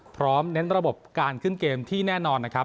เน้นระบบการขึ้นเกมที่แน่นอนนะครับ